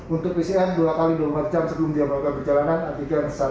untuk pcr dua x dua puluh empat jam sebelum dia melakukan perjalanan antigen satu x dua puluh empat jam